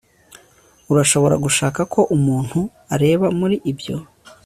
urashobora gushaka ko umuntu areba muri ibyo